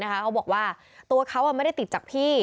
เขาบอกว่าตัวเขาไม่ได้ติดจากพี่